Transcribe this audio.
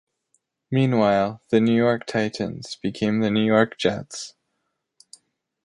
Meanwhile, the New York Titans became the New York Jets.